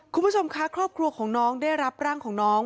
คุณผู้ชมค่ะครอบครัวของน้องได้รับร่างของน้อง